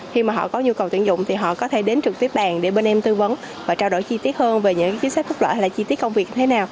khi mà họ có nhu cầu tuyển dụng thì họ có thể đến trực tiếp bàn để bên em tư vấn và trao đổi chi tiết hơn về những chính sách phúc lợi hay là chi tiết công việc thế nào